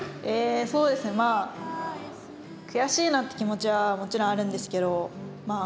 まあ悔しいなって気持ちはもちろんあるんですけどまあ